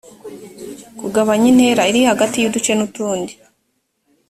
kugabanya intera iri hagati y uduce n utundi